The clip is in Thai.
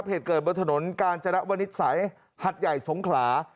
เหตุเกิดบนถนนกาญจนวนิสัยหัดใหญ่สงขลา